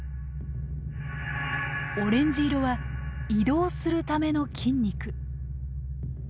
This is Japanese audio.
オレンジ色は移動するための筋肉。